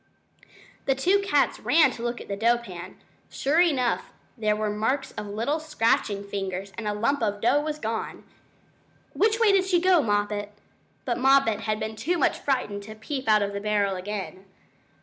The two cats ran to look at the dough pan. Sure enough there were marks of little scratching fingers, and a lump of dough was gone! "Which way did she go, Moppet?" But Moppet had been too much frightened to peep out of the barrel again.